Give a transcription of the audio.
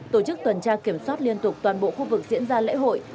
tổ chức tuần tra kiểm soát liên tục toàn bộ khu vực diễn ra lễ hội